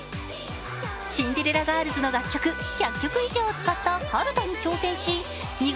シンデレラガールズの楽曲、１００曲以上を使ったかるたに挑戦し見事